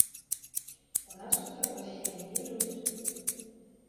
У нас па такой схеме не ідуць.